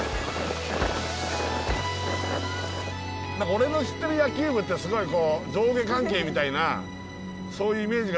俺の知ってる野球部ってすごいこう上下関係みたいなそういうイメージがすごくあるんだけど。